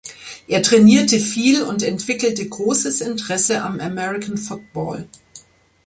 Er trainierte viel und entwickelte großes Interesse am American Football.